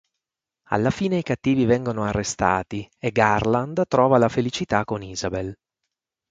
Alla fine i cattivi vengono arrestati e Garland trova la felicità con Isabel.